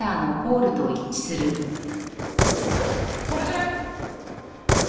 あっこれじゃない？